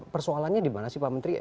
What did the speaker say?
persoalannya dimana sih pak menteri